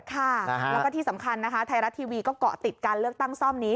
ค่ะแล้วก็ที่สำคัญนะคะไทยรัฐทีวีก็เกาะติดการเลือกตั้งซ่อมนี้